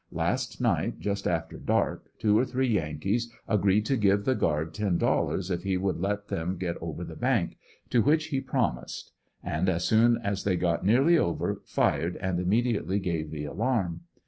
Last night just after dark two or three Yankees agreed to give the guard $10 if he would let them ^et over the bank, to which he promised; and as soon as they ^ot nearly over fired and immediately gave the alarm.